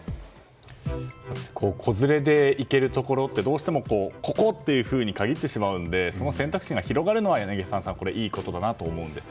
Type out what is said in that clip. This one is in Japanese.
子連れで行けるところってどうしてもここっていうふうに限ってしまうのでその選択肢が広がるのは柳澤さん、これはいいことだなと思うんですが。